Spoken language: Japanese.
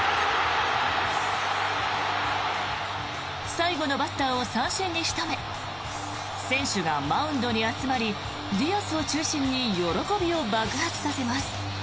最後のバッターを三振に仕留め選手がマウンドに集まりディアスを中心に喜びを爆発させます。